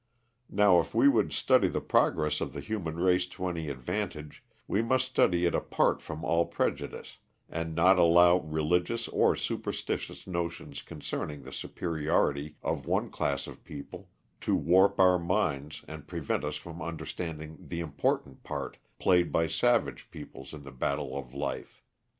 Now if we would study the progress of the human race to any advantage, we must study it apart from all prejudice, and not allow religious or superstitious notions concerning the superiority of one class of people to warp our minds and prevent us from understanding the important part played by savage peoples in the battle of life.